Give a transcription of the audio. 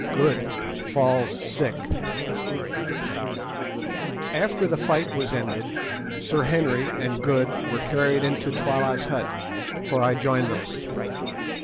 GOOD FALLS SICK After the fight was ended, Sir Henry and Good were carried into Twala's hut, where I joined them.